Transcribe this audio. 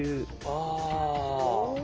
ああ。